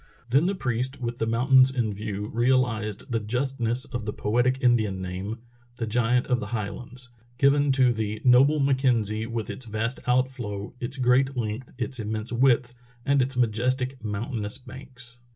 Then the priest, with the mountains in view, realized the justness of the poetic Indian name, the Giant of the Highlands, given to the "noble Mackenzie, with its vast outflow, its great length, its immense width, and its majestic mountainous banks."